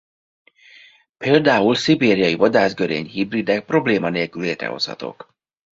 Például szibériai-vadászgörény hibridek probléma nélkül létrehozhatók.